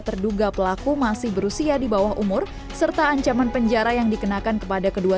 terduga pelaku masih berusia di bawah umur serta ancaman penjara yang dikenakan kepada kedua